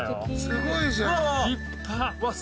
すごいじゃん立派！